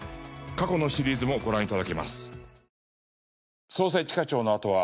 過去のシリーズもご覧頂けます。